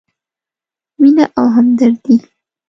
مینه او همدردي: